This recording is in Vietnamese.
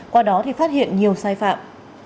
qua đó thì phát hiện nhiều sai phạm